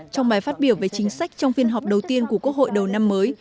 trong bài phát biểu về chính sách trong phiên họp đầu tiên của quốc hội đầu năm mới